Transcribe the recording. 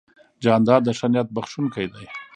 جانداد د ښه نیت بښونکی دی.